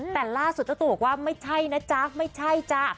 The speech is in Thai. แต่ล่าสุดเจ้าตัวบอกว่าไม่ใช่นะจ๊ะไม่ใช่จ้ะ